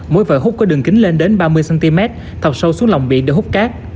mỗi vòi hút có đường kính lên đến ba mươi cm tàu sâu xuống lòng biển để hút cát